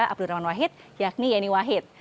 abdul rahman wahid yakni yeni wahid